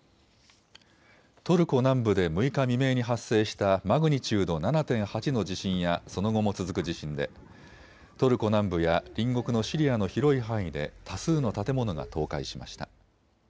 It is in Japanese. トルコ南部で６日未明に発生したマグニチュード７．８の地震やその後も続く地震でトルコ南部や隣国のシリアの広い範囲で多数の建物が倒壊しました。